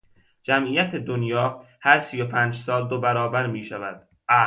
جمعیت دنیا هر سی و پنج سال دو برابر میشود.